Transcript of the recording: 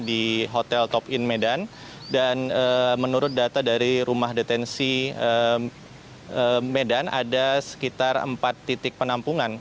di hotel telah menangis medan dan medan sumatera utara